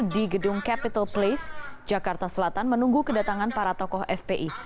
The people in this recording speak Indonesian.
di gedung capital place jakarta selatan menunggu kedatangan para tokoh fpi